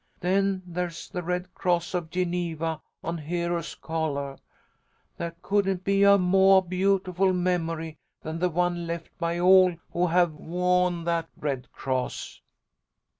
Then there's the Red Cross of Geneva on Hero's collah there couldn't be a moah beautiful memory than the one left by all who have wo'n that Red Cross."